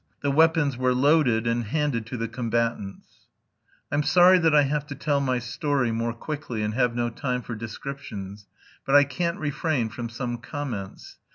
The weapons were loaded and handed to the combatants. I'm sorry that I have to tell my story more quickly and have no time for descriptions. But I can't refrain from some comments.